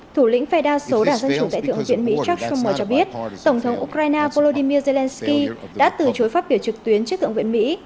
thủ lĩnh phe đa số đảng dân chủ tại thượng viện mỹ chuck summer cho biết tổng thống ukraine volodymyr zelensky đã từ chối phát biểu trực tuyến trước thượng viện mỹ